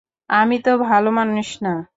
আমি তো ভালো মানুষ না।